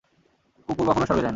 কুকুর কখনও স্বর্গে যায় না।